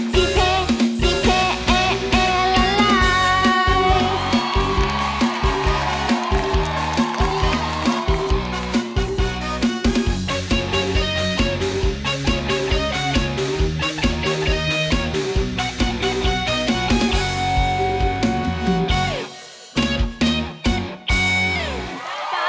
สิเผ่สิเผ่เอเอเอละละ